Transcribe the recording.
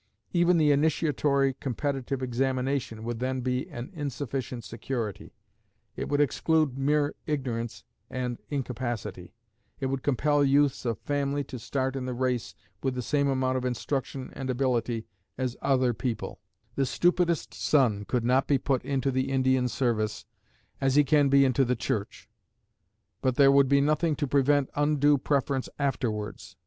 Even the initiatory competitive examination would then be an insufficient security. It would exclude mere ignorance and incapacity; it would compel youths of family to start in the race with the same amount of instruction and ability as other people; the stupidest son could not be put into the Indian service, as he can be into the Church; but there would be nothing to prevent undue preference afterwards.